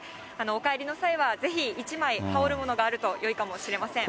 お帰りの際はぜひ１枚羽織るものがよいかもしれません。